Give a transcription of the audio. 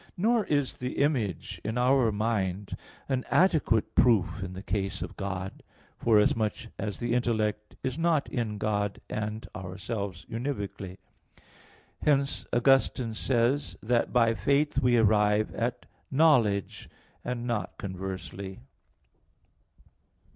Nor is the image in our mind an adequate proof in the case of God, forasmuch as the intellect is not in God and ourselves univocally. Hence, Augustine says (Tract. xxvii. in Joan.) that by faith we arrive at knowledge, and not conversely.